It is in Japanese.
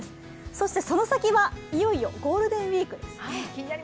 そして、その先はいよいよゴールデンウイークですね。